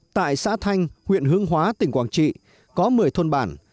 tại xã thanh huyện hướng hóa tỉnh quảng trị có một mươi thôn bản